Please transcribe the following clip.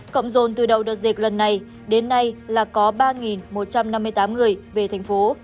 cộng dồn từ đầu đợt dịch lần này đến nay là có ba một trăm năm mươi tám người về thành phố